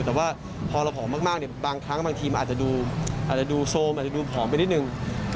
แต่ว่าพอเราผอมมากบางครั้งบางทีมันอาจจะดูโซมอาจจะดูผอมไปนิดนึง